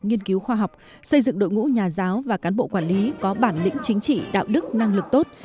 nghiên cứu khoa học xây dựng đội ngũ nhà giáo và cán bộ quản lý có bản lĩnh chính trị đạo đức năng lực tốt